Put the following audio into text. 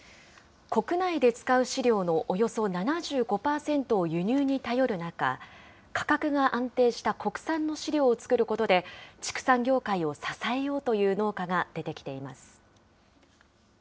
国内で使う飼料のおよそ７５％を輸入に頼る中、価格が安定した国産の飼料を作ることで、畜産業界を支えようという農家が出てきています。